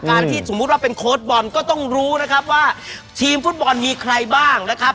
ที่สมมุติว่าเป็นโค้ดบอลก็ต้องรู้นะครับว่าทีมฟุตบอลมีใครบ้างนะครับ